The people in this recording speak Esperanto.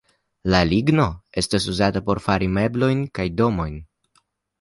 La ligno estas uzata por fari meblojn kaj domojn.